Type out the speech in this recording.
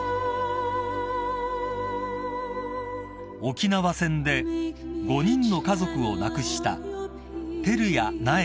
［沖縄戦で５人の家族を亡くした］